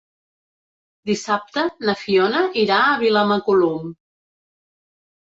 Dissabte na Fiona irà a Vilamacolum.